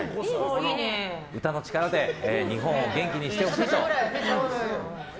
歌の力で日本を元気にしてほしいと。